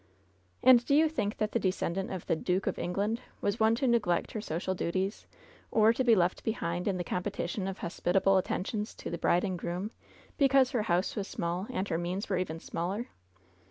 And do you think that the descendant of the '^Dook of England" was one to neglect her social duties, or to be left behind in the competition of hospitable attentions to the bride and groom because her house was small and her means were even smaller